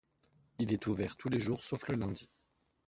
Il est ouvert tous les jours sauf le lundi.